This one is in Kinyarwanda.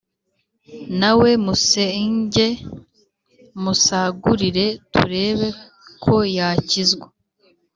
Na we musenge, musagurire turebe ko yakizwa